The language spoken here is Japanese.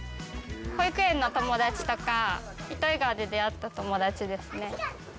保育園の友達とか、糸魚川で出会った友達ですね。